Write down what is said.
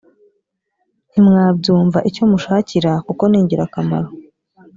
ntimwabyumva icyo mushakira kuko ningira kamaro.